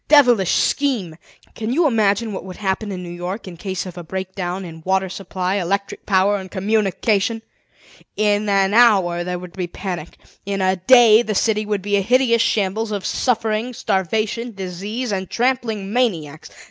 Devilish scheme! "Can you imagine what would happen in New York in case of a break down in water supply, electric power, and communication? In an hour there would be a panic; in a day the city would be a hideous shambles of suffering, starvation, disease, and trampling maniacs.